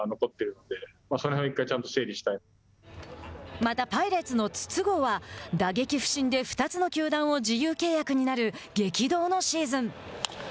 また、パイレーツの筒香は打撃不振で２つの球団を自由契約になる激動のシーズン。